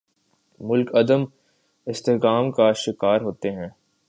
ملک عدم استحکام کا شکار ہوتے ہیں۔